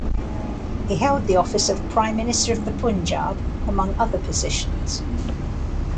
He held the office of Prime Minister of the Punjab among other positions.